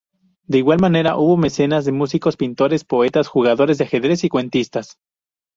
De igual manera, hubo mecenas de músicos, pintores, poetas, jugadores de ajedrez, y cuentistas.